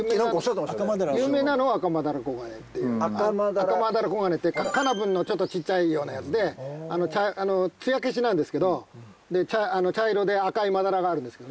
アカマダラコガネってカナブンのちょっと小っちゃいようなやつでつや消しなんですけど茶色で赤いまだらがあるんですけどね。